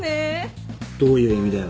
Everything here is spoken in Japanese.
どういう意味だよ。